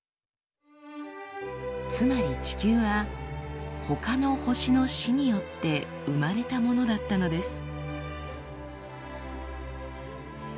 つまり地球はほかの星の死によって生まれたものだったのです。